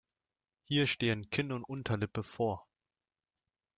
Hier stehen Kinn und Unterlippe vor.